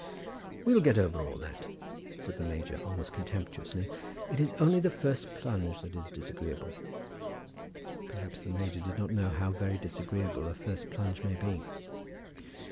"We'll get over all that," said the major, almost contemptuously. "It is only the first plunge that is disagreeable." Perhaps the major did not know how very disagreeable a first plunge may be!